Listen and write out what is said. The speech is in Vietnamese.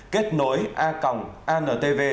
kết nối a antv gov vn